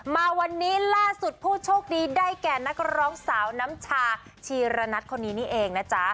มาวันนี้ล่าสุดผู้โชคดีได้แก่นักร้องสาวน้ำชาชีระนัทคนนี้นี่เองนะจ๊ะ